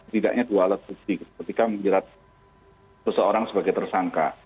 tidaknya dua alat kursi ketika mengira seseorang sebagai tersangka